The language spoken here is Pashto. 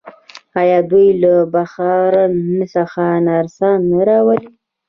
آیا دوی له بهر څخه نرسان نه راوړي؟